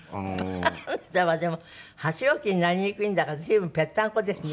パンダはでも箸置きになりにくいんだか随分ぺったんこですね。